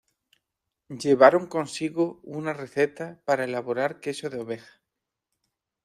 Llevaron consigo una receta para elaborar queso de oveja.